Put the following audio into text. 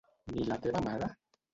Ni la teva mare?